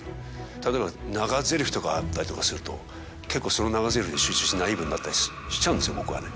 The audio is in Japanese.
例えば長台詞とかあったりすると結構その長台詞に集中してナイーブになったりしちゃうんです僕はね。